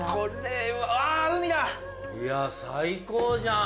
いや最高じゃん。